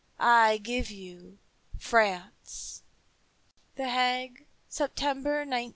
I give you France! The Hague, September, 1916.